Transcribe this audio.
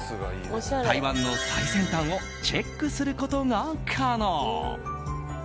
台湾の最先端をチェックすることが可能。